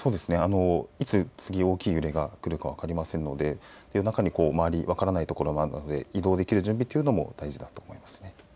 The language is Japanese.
いつ次、大きい揺れがくるか分かりませんので夜中に周り分からない所あるので移動できる準備も大事だと思いますね。